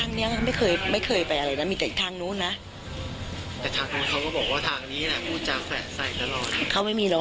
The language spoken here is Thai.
เค้าจะเสี่ยงดังรู้ทุกคน